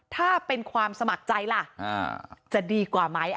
ถ้าเป็นความสมัครใจล่ะจะดีกว่าไหม